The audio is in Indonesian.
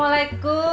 abang tak cur utuh